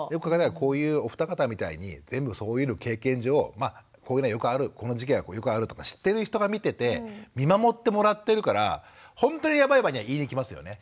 こういうお二方みたいに全部そういうの経験上こういうのはよくあるこの時期はよくあるとか知ってる人が見てて見守ってもらってるからほんとにやばい場合は言いにきますよね。